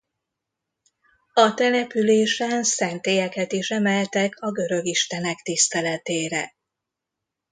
A településen szentélyeket is emeltek a görög istenek tiszteletére.